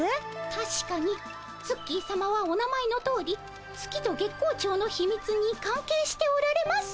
たしかにツッキーさまはお名前のとおり月と月光町のひみつに関係しておられます。